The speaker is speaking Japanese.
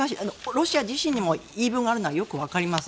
ロシア自身にも言い分があるのはよくわかります。